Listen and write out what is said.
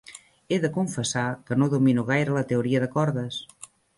He de confessar que no domino gaire la teoria de cordes.